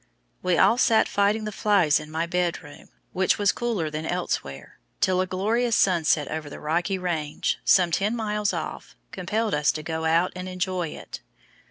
We all sat fighting the flies in my bedroom, which was cooler than elsewhere, till a glorious sunset over the Rocky Range, some ten miles off, compelled us to go out and enjoy it.